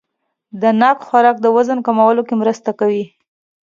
د ناک خوراک د وزن کمولو کې مرسته کوي.